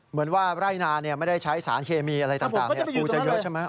เหมือนว่าไร่นาไม่ได้ใช้สารเคมีอะไรต่างปูจะเยอะใช่ไหม